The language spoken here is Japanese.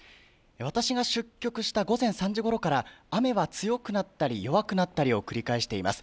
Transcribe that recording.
私が出局した午前３時ごろから雨は強くなったり弱くなったりを繰り返しています。